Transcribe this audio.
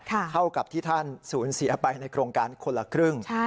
เท่ากับที่ท่านสูญเสียไปในโครงการคนละครึ่ง